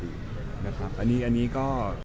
อันนี้ก็ยังเอาผิดอะไรไม่ได้เลย